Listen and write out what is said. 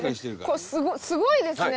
すごいですね。